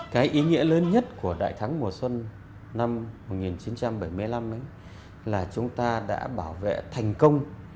cái ý nghĩa lớn nhất của đại thắng mùa xuân năm một nghìn chín trăm bảy mươi năm ấy là chúng ta đã bảo vệ thành công